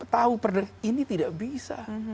tahu ini tidak bisa